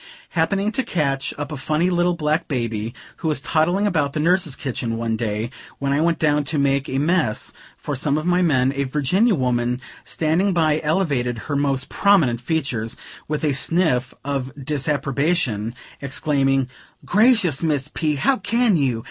Happening to catch up a funny little black baby, who was toddling about the nurses' kitchen, one day, when I went down to make a mess for some of my men, a Virginia woman standing by elevated her most prominent features, with a sniff of disapprobation, exclaiming: "Gracious, Miss P.! how can you?